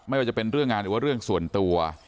ไม่ว่าจะเป็นเรื่องงานหรือว่าเรื่องส่วนตัว